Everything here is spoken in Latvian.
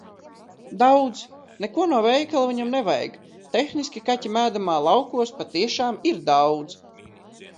Daudz. Neko no veikala viņam nevajag. Tehniski kaķim ēdamā laukos patiešām ir daudz.